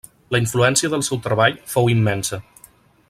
La influència del seu treball fou immensa.